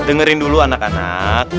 dengerin dulu anak anak